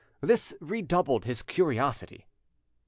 This redoubled his curiosity.